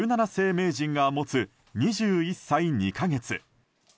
名人が持つ２１歳２か月。